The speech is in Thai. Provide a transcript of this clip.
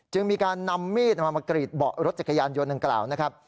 จึงมีการนำมีดมากรีดเบาะรถจักรยานยนต์ดังกล่าวนะครับ